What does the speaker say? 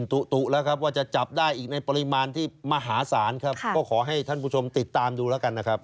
ที่มหาศาลครับก็ขอให้ท่านผู้ชมติดตามดูแล้วกันนะครับ